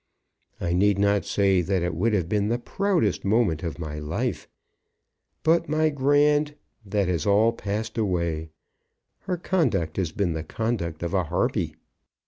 I need not say that it would have been the proudest moment of my life. But, my Grand, that has all passed away. Her conduct has been the conduct of a Harpy.